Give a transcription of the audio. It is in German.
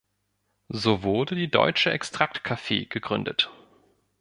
So wurde die Deutsche Extrakt Kaffee gegründet.